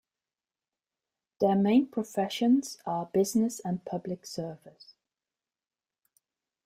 Their main professions are business and public service.